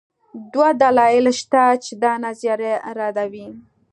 دوه دلایل شته چې دا نظریه ردوي.